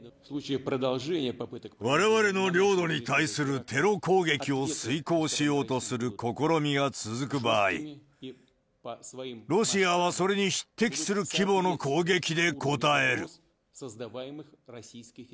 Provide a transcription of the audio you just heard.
われわれの領土に対するテロ攻撃を遂行しようとする試みが続く場合、ロシアはそれに匹敵する規模の攻撃で応える。